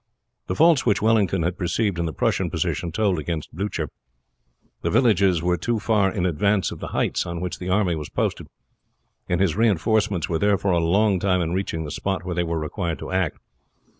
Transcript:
The faults which Wellington had perceived in the Prussian position told against Blucher. The villages were too far in advance of the heights on which the army was posted, and his reinforcements were therefore a long time in reaching the spot where they were required to act.